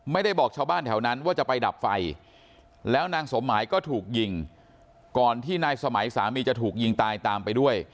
ไม่ได้บอกชาวบ้านแถวนั้นว่าจะไปดับไฟแล้วนางสมหมายก็ถูกยิงก่อนที่นายสมัยสามีจะถูกยิงตายตามไปด้วย